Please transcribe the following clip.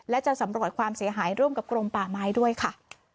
และจะสำรวจความเสียหายร่วมกับกรมป่าไม้ด้วยค่ะ